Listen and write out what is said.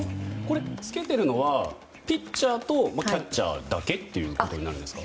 着けてるのはピッチャーとキャッチャーだけということになるんですか？